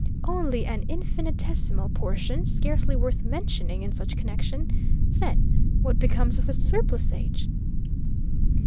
Only an infinitesimal portion; scarcely worth mentioning in such connection. Then, what becomes of the surplusage?"